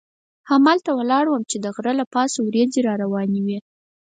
همالته ولاړ وم چې د غره له پاسه وریځې را روانې وې.